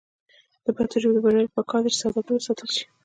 د پښتو ژبې د بډاینې لپاره پکار ده چې ساده ګي وساتل شي.